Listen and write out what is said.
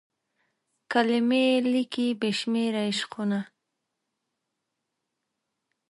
کلمې لیکي بې شمیر عشقونه